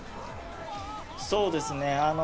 そうですね。